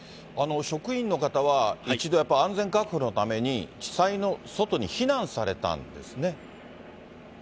職員の方は、一度やっぱ安全確保のために地裁の外に避難されたんですね。